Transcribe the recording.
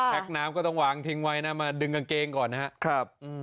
น้ำก็ต้องวางทิ้งไว้นะมาดึงกางเกงก่อนนะครับ